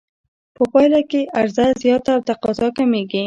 په پایله کې عرضه زیاته او تقاضا کمېږي